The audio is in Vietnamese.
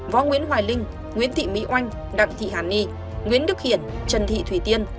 võ nguyễn hoài linh nguyễn thị mỹ oanh đặng thị hàn ni nguyễn đức hiển trần thị thủy tiên